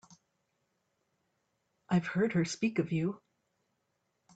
I've heard her speak of you.